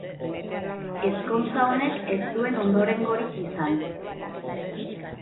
Ezkontza honek ez zuen ondorengorik izan.